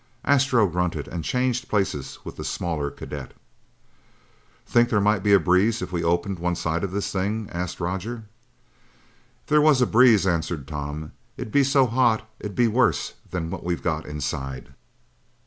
Astro grunted and changed places with the smaller cadet. "Think there might be a breeze if we opened up one side of this thing?" asked Roger. "If there was a breeze," answered Tom, "it'd be so hot, it'd be worse than what we've got inside."